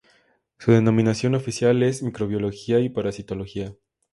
Su denominación oficial es "Microbiología y parasitología".